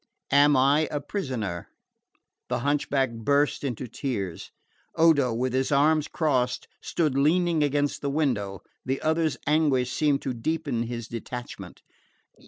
Am I a prisoner?" The hunchback burst into tears. Odo, with his arms crossed, stood leaning against the window. The other's anguish seemed to deepen his detachment.